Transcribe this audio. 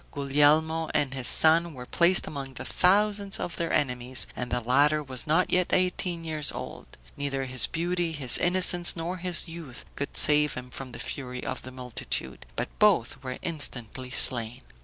Guglielmo and his son were placed among the thousands of their enemies, and the latter was not yet eighteen years old; neither his beauty, his innocence, nor his youth, could save him from the fury of the multitude; but both were instantly slain.